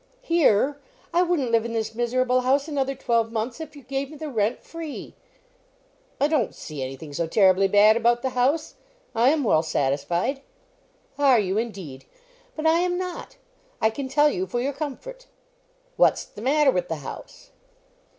"Here! I wouldn't live in this miserable house another twelve months, if you gave me the rent free." "I don't see any thing so terribly bad about the house. I am well satisfied." "Are you, indeed! But I am not, I can tell you for your comfort." "What's the matter with the house?"